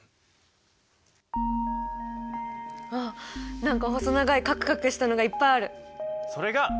あっ何か細長いカクカクしたのがいっぱいある。